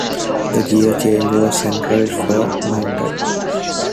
The gear change was centrally floor mounted.